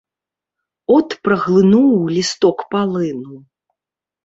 От праглынуў лісток палыну.